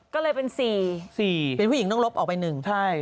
ก็เลยเป็น๔๔เป็นผู้หญิงต้องลบออกไป๑ใช่